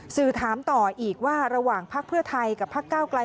สื่อถามต่ออีกว่าระหว่างพักเพื่อไทยกับพักเก้าไกล